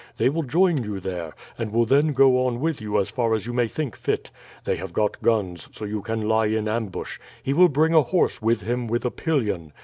They will join you there, and will then go on with you as far as you may think fit. They have got guns, so you can lie in ambush. He will bring a horse with him with a pillion.